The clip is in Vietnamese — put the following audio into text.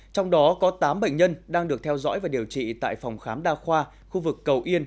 trong đó có tám bệnh nhân đang được theo dõi và điều trị tại phòng khám đa khoa khu vực cầu yên